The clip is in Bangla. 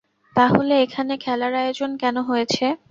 তাহলে এখানে খেলার আয়োজন কেন হয়েছে?